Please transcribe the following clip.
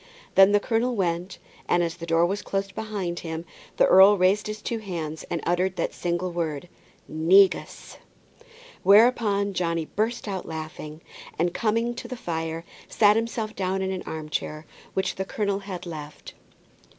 Then the colonel went, and as the door was closed behind him, the earl raised his two hands and uttered that single word, "negus!" Whereupon Johnny burst out laughing, and coming round to the fire, sat himself down in the arm chair which the colonel had left.